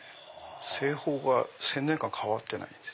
製法が１０００年間変わってないです。